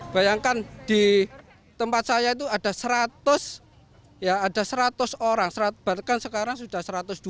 bayangkan di tempat saya itu ada seratus orang bahkan sekarang sudah satu ratus dua puluh